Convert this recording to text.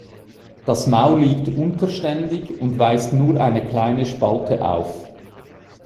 Das Maul liegt unterständig und weist nur eine kleine Spalte auf.